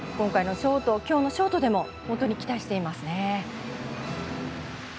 今日のショートでも本当に期待しています。